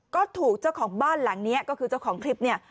ก็ถูกเจ้าของบ้านหลังนี้ก็คือเจ้าของคลิปเนี่ย